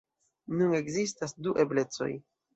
Nun ekzistas du eblecoj.